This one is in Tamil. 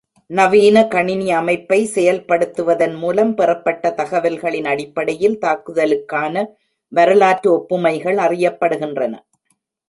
நவீன கணினி அமைப்பை செயல்படுத்துவதன் மூலம் பெறப்பட்ட தகவல்களின் அடிப்படையில் தாக்குதலுக்கான வரலாற்று ஒப்புமைகள் அறியப்படுகின்றன.